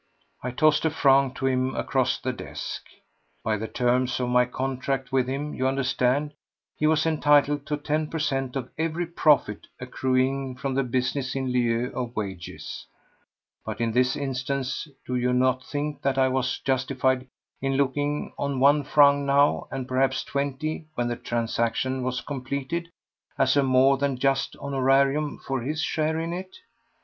I tossed a franc to him across the desk. By the terms of my contract with him, you understand, he was entitled to ten per cent, of every profit accruing from the business in lieu of wages, but in this instance do you not think that I was justified in looking on one franc now, and perhaps twenty when the transaction was completed, as a more than just honorarium for his share in it?